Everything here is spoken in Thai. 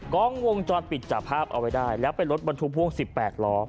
กล้องวงจรปิดจับภาพเอาไว้ได้แล้วเป็นรถบรรทุกพ่วง๑๘ล้อ